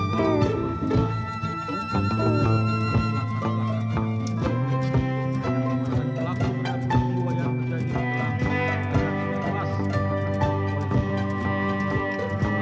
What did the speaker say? pembelian polisi seperti yang kita lihat